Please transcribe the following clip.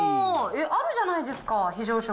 あるじゃないですか、非常食。